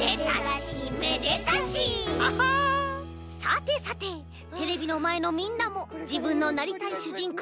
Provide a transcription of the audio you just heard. さてさてテレビのまえのみんなもじぶんのなりたいしゅじん